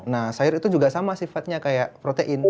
nah sayur itu juga sama sifatnya kayak protein